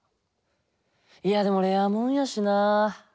いやでもレアもんやしな。